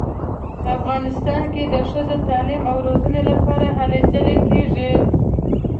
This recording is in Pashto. افغانستان کې د ښځو د تعلیم او روزنې لپاره هلې ځلې کیږي